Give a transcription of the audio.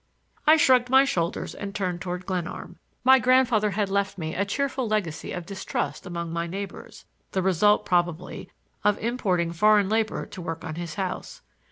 I shrugged my shoulders and turned toward Glenarm. My grandfather had left me a cheerful legacy of distrust among my neighbors, the result, probably, of importing foreign labor to work on his house.